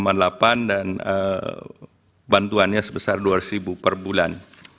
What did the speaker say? dan bapanas yang diperlukan untuk memperbaiki kegiatan pemerintahan